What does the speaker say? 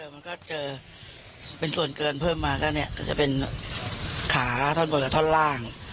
มันก็เจอเป็นส่วนเกินเพิ่มมาก็จะเป็นขาท่อนบนกับท่อนล่าง